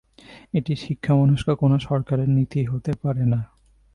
এটি শিক্ষামনস্ক কোনো সরকারের নীতি হতে পারে না।